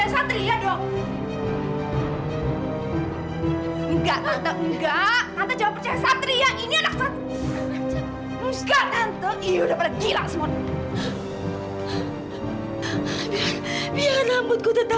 status anak ini masih anak saya